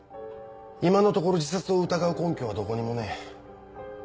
今のところ自殺を疑う根拠はどこにもねえ。